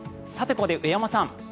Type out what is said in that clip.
ここで上山さん